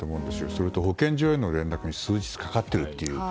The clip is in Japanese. それと保健所への連絡に数日かかっているという。